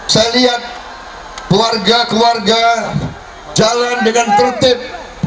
saya lihat keluarga keluarga jalan dengan tertib